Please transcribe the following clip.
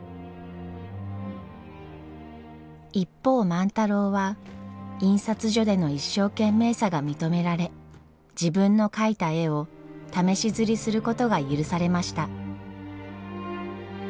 一方万太郎は印刷所での一生懸命さが認められ自分の描いた絵を試し刷りすることが許されました。